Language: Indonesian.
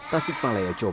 tasik malaya jobar